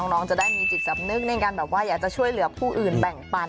น้องจะได้มีจิตสำนึกในการแบบว่าอยากจะช่วยเหลือผู้อื่นแบ่งปัน